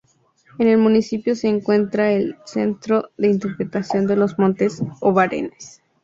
En el municipio se encuentra el Centro de Interpretación de los Montes Obarenes.